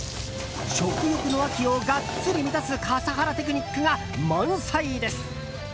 食欲の秋をガッツリ満たす笠原テクニックが満載です。